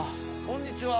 こんにちは。